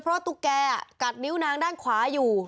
เพราะตุ๊กแกกัดนิ้วนางด้านขวาอยู่